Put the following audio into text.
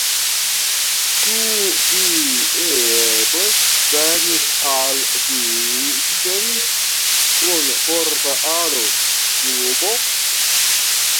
Ĉu vi eble venis al viken kun forta aro, duko?